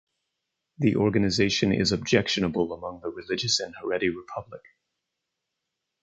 The organization is objectionable among the religious and Haredi public.